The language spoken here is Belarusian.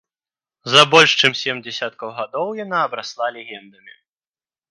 За больш чым сем дзесяткаў гадоў яна абрасла легендамі.